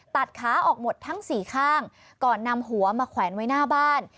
ตัดขาออกหมดทั้งสี่ข้างก่อนนำหัวมาแขวนไว้หน้าบ้าน